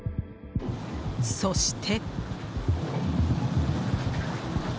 そして。